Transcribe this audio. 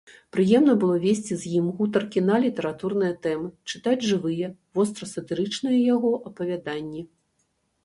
Прыемна было весці з ім гутаркі на літаратурныя тэмы, чытаць жывыя, вострасатырычныя яго апавяданні.